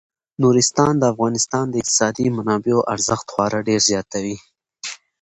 نورستان د افغانستان د اقتصادي منابعو ارزښت خورا ډیر زیاتوي.